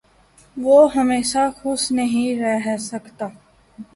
وہ ہمیشہ خوش نہیں رہ سکتا